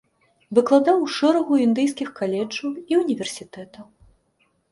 Выкладаў у шэрагу індыйскіх каледжаў і ўніверсітэтаў.